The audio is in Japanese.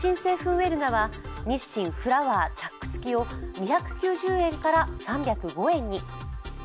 ウェルナは日清フラワーチャック付２９０円から３０５円に。